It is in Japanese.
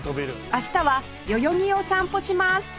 明日は代々木を散歩します